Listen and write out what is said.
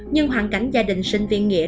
nhưng hoàn cảnh gia đình sinh viên nghĩa